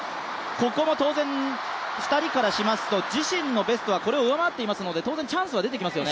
ここも当然、２人からしますと、自身のベストはこれを上回っていますので、当然、チャンスは出てきますよね。